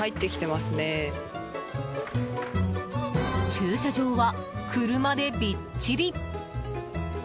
駐車場は車でびっちり！